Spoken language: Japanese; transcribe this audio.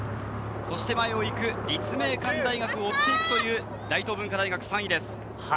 前を行く立命館大学を追っていくという大東文化大学、３位です。